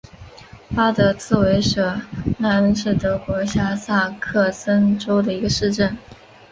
巴德茨维舍纳恩是德国下萨克森州的一个市镇。